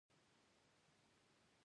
د اسلام څخه مخکې کوم دینونه رواج درلود؟